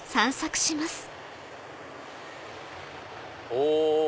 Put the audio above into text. お！